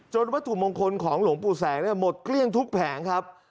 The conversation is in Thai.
วัตถุมงคลของหลวงปู่แสงหมดเกลี้ยงทุกแผงครับ